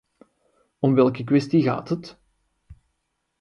Om welke kwestie gaat het?